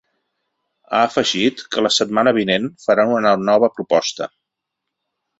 Ha afegit que la setmana vinent faran una nova proposta.